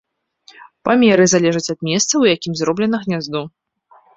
Памеры залежаць ад месца, у якім зроблена гняздо.